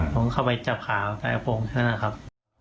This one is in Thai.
ผมเข้าไปจับขาเขาใต้อาพงศ์เท่านั้นครับ